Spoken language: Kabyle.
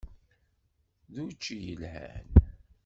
D učči yelhan.